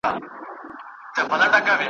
چي د غرونو په لمن کي ښکار ته ساز وو ,